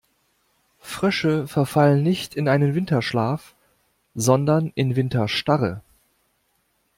Frösche verfallen nicht in einen Winterschlaf, sondern in Winterstarre.